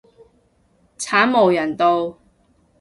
慘無人道